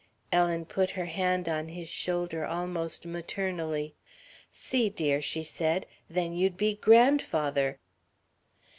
Ellen put her hand on his shoulder almost maternally. "See, dear," she said, "then you'd be grandfather."